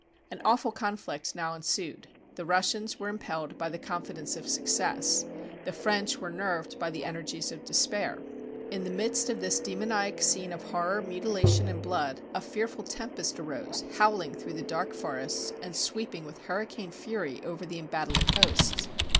An awful conflict now ensued. The Russians were impelled by the confidence of success; the French were nerved by the energies of despair. In the midst of this demoniac scene of horror, mutilation, and blood, a fear ful tempest arose, howling through the dark forests, and sweeping with hurricane fury over the embattling hosts.